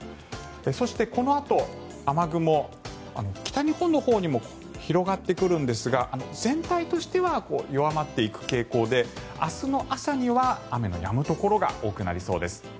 そして、このあと雨雲北日本のほうにも広がってくるんですが全体としては弱まっていく傾向で明日の朝には雨のやむところが多くなりそうです。